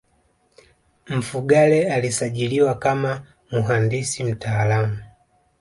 Mfugale alisajiliwa kama muhandisi mtaalamu